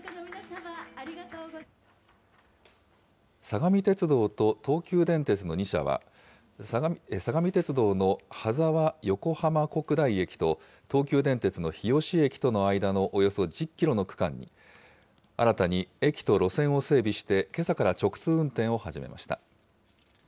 相模鉄道と東急電鉄の２社は、相模鉄道の羽沢横浜国大駅と、東急電鉄の日吉駅との間のおよそ１０キロの区間に、新たに駅と路線を整備して、けさから直通運転を始めました。